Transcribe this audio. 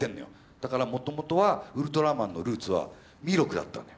だからもともとはウルトラマンのルーツは弥勒だったのよ。